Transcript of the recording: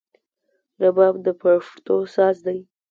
رباب د پښتو ساز دی